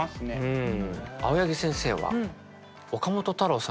うん。